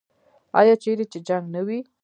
آیا چیرې چې جنګ نه وي؟